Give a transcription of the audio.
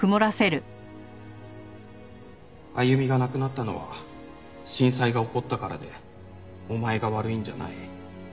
「あゆみが亡くなったのは震災が起こったからでお前が悪いんじゃない」。